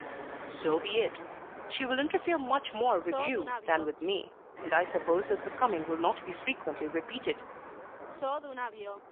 "So be it. She will interfere much more with you than with me, and I suppose that the coming will not be frequently repeated."